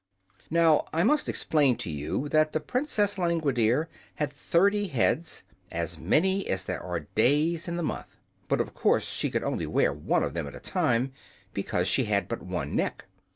Now I must explain to you that the Princess Langwidere had thirty heads as many as there are days in the month. But of course she could only wear one of them at a time, because she had but one neck.